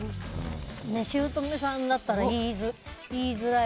しゅうとめさんだったら言いづらい。